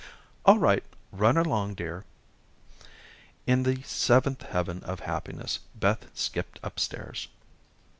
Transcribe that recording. "All right. Run along, dear." In the seventh heaven of happiness, Beth skipped up stairs.